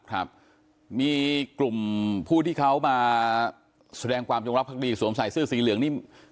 ครับมีกลุ่มผู้ที่เขามาแสดงความจงรักภักดีสวมใส่เสื้อสีเหลืองนี่